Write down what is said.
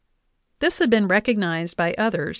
This had been recognized by others.